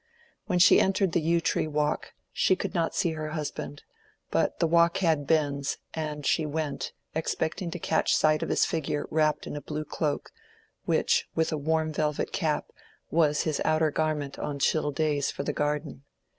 When she entered the Yew tree Walk she could not see her husband; but the walk had bends, and she went, expecting to catch sight of his figure wrapped in a blue cloak, which, with a warm velvet cap, was his outer garment on chill days for the garden.